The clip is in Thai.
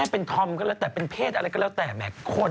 เต็มที่กันใช่ด่า